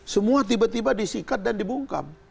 semua tiba tiba disikat dan dibungkam